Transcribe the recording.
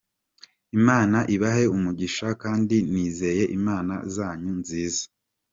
Imana ibahe umugisha kandi nizeye inama zanyu nziza.